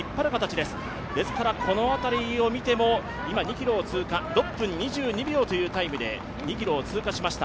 ですからこの辺りを見ても６分２２秒というタイムで２ｋｍを通過しました。